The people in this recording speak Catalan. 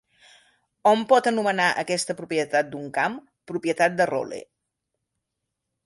Hom pot anomenar aquesta propietat d'un camp "propietat de Rolle".